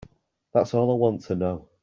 That's all I want to know.